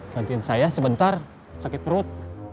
bantuin saya sebentar sakit perut